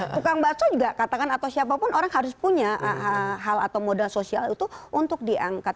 tukang bakso juga katakan atau siapapun orang harus punya hal atau modal sosial itu untuk diangkat